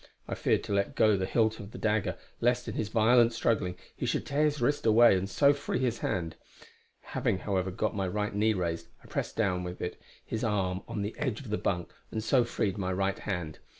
I feared to let go the hilt of the dagger, lest in his violent struggling he should tear his wrist away and so free his hand. Having, however, got my right knee raised, I pressed down with it his arm on the edge of the bunk and so freed my right hand.